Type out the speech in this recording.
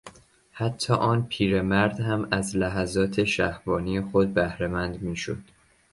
حتی آن پیرمرد هم از لحظات شهوانی خود بهرهمند میشد.